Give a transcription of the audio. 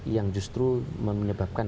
yang justru menyebabkan